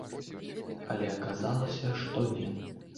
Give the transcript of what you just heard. Але аказалася, што не.